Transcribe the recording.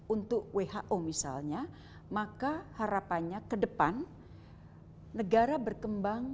untuk who misalnya maka harapannya ke depan negara berkembang